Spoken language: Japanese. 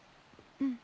うん。